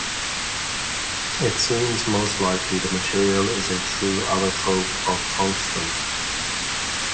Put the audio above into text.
It seems most likely the material is a true allotrope of tungsten.